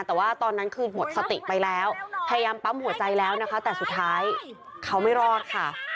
แต่ว่าตอนนั้นคือหมดสติไปแล้วพยายามปั๊มหัวใจแล้วนะคะแต่สุดท้ายเขาไม่รอดค่ะ